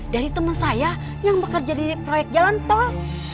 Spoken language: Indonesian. dari teman saya yang bekerja di proyek jalan tol